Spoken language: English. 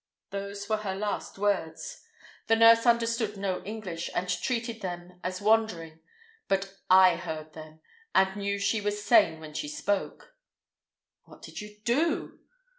Those were her last words. The nurse understood no English, and treated them as wandering; but I heard them, and knew she was sane when she spoke." "What did you do?"